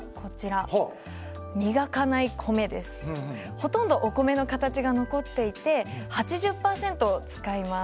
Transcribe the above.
ほとんどお米の形が残っていて８０％を使います。